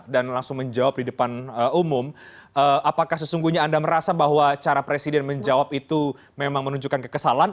dan langsung menjawab di depan umum apakah sesungguhnya anda merasa bahwa cara presiden menjawab itu memang menunjukkan kekesalan